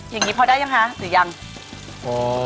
อย่างนี้พอได้หรือยังคะ